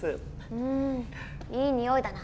うんいいにおいだな。